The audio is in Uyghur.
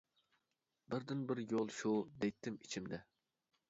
«بىردىنبىر يول شۇ! » دەيتتىم ئىچىمدە.